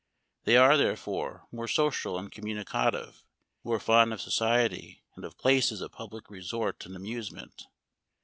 They are, therefore, more social and communicative ; more fond of society, and of places of public resort and amusement.